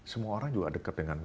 semua orang juga dekat dengan